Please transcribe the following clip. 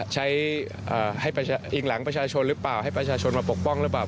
ให้อิงหลังประชาชนหรือเปล่าให้ประชาชนมาปกป้องหรือเปล่า